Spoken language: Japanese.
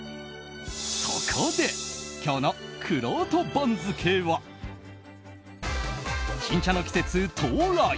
そこで、今日のくろうと番付は新茶の季節到来！